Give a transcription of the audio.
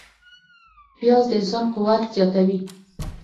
پیاز د انسان قوت زیاتوي